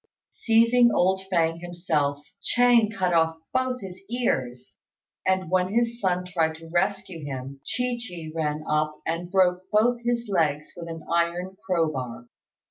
Seizing old Fêng himself, Ch'êng cut off both his ears; and when his son tried to rescue him, Chi chi ran up and broke both his legs with an iron crowbar.